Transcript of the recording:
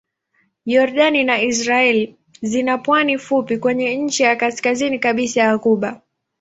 Yordani na Israel zina pwani fupi kwenye ncha ya kaskazini kabisa ya ghuba.